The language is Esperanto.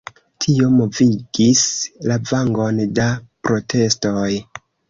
Tio movigis lavangon da protestoj.